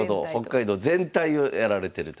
北海道全体をやられてるということで。